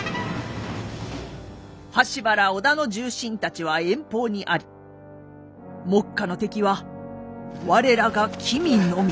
羽柴ら織田の重臣たちは遠方にあり目下の敵は我らが君のみ。